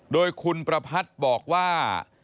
โดยคุณประพัทธ์บอกว่า